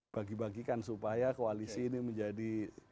bagi bagikan supaya koalisi ini menjadi